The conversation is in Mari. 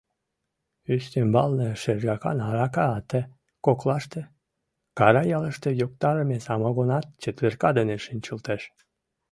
Ӱстембалне, шергакан арака ате коклаште, Карай ялыште йоктарыме самогонат четверка дене шинчылтеш.